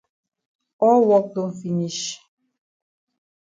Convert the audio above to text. All wok don finish.